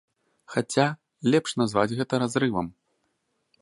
Хаця, лепш назваць гэта разрывам.